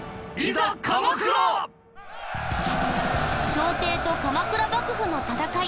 朝廷と鎌倉幕府の戦い